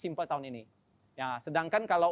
simple tahun ini sedangkan kalau